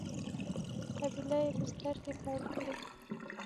قبیله یي بستر کې پیل کړی.